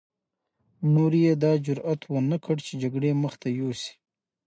نورو يې دا جرعت ونه کړ چې جګړې مخته يوسي.